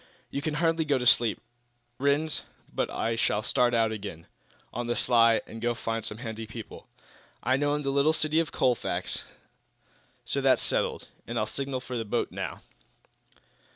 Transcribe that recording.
You can hardly go to sleep, Rhinds, but I shall start out again, on the sly, and go to find some handy people I know in the little city of Colfax. So that's settled, and I'll signal for the boat now."